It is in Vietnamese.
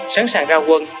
sẵn sàng ra quân